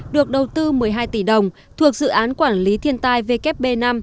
được đầu tư một mươi hai tỷ đồng thuộc dự án quản lý thiên tai wb năm